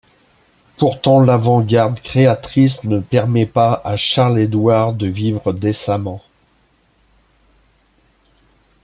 Pourtant l'avant-garde créatrice ne permet pas à Charles-Édouard de vivre décemment.